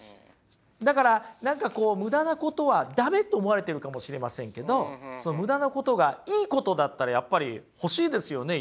だから何かこうムダなことは駄目と思われてるかもしれませんけどムダなことがいいことだったらやっぱり欲しいですよね？